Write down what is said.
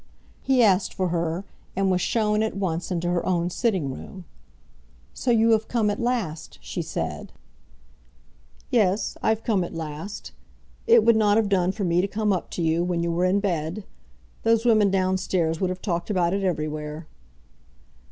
He asked for her, and was shown at once into her own sitting room. "So you have come at last," she said. "Yes; I've come at last. It would not have done for me to come up to you when you were in bed. Those women down stairs would have talked about it everywhere."